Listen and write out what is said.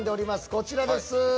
こちらです。